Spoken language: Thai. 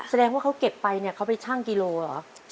แสดงว่าเขาเก็บไปเขาไปช่างกิโลหรือ